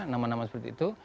nama nama seperti itu